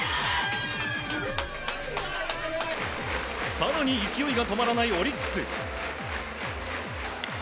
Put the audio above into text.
更に勢いが止まらないオリックス。